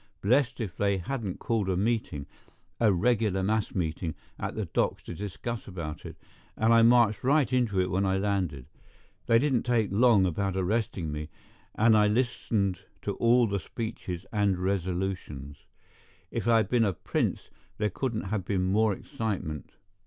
Blessed if they hadn't called a meeting—a regular mass meeting—at the docks to discuss about it, and I marched right into it when I landed. They didn't take long about arresting me, and I listened to all the speeches and resolutions. If I'd been a prince there couldn't have been more excitement.